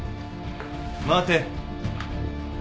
待て。